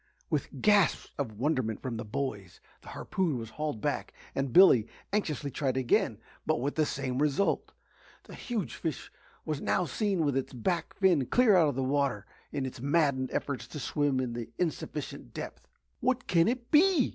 With gasps of wonderment from the boys, the harpoon was hauled back and Billy anxiously tried again. But with the same result. The huge fish was now seen with its back fin clear out of water in its maddened efforts to swim in the insufficient depth. "What can it be?"